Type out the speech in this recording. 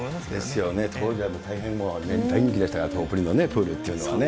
ですよね、当時は大変大人気でしたから、のプールっていうのはね。